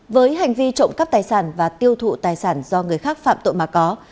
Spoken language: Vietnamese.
với hành vi trộm cắp tài sản và tiêu thụ tài sản do người khác phạm tội mà có